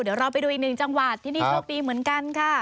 เดี๋ยวเราไปดูอีกหนึ่งจังหวัดที่นี่โชคดีเหมือนกันค่ะ